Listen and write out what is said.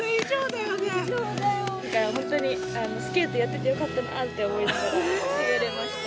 本当にスケートやっててよかったなって思いながら滑れました。